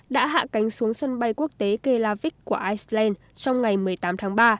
đã hạ cánh xuống sân bay quốc tế keavic của iceland trong ngày một mươi tám tháng ba